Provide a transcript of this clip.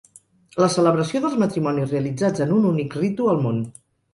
La celebració dels matrimonis realitzats en un únic ritu al món.